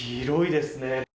広いですね。